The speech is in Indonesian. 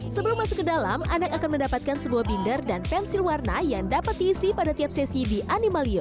sebelum masuk ke dalam anak akan mendapatkan sebuah binder dan pensil warna yang dapat diisi pada tiap sesi di animalio